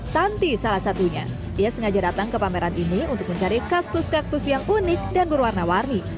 tanti salah satunya ia sengaja datang ke pameran ini untuk mencari kaktus kaktus yang unik dan berwarna warni